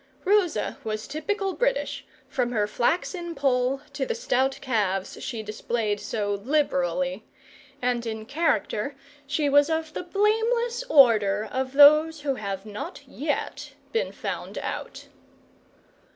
Rosa was typical British, from her flaxen poll to the stout calves she displayed so liberally, and in character she was of the blameless order of those who have not yet been found out.